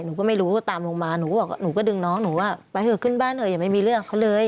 หนูก็ไม่รู้ตามลงมาหนูก็บอกหนูก็ดึงน้องหนูว่าไปเถอะขึ้นบ้านเถอย่าไม่มีเรื่องเขาเลย